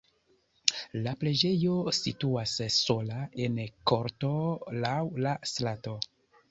La preĝejo situas sola en korto laŭ la strato.